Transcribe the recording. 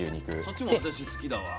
そっちも私好きだわ。